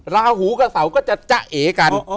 ราหูกับเสาก็จะจ๊ะเอกัน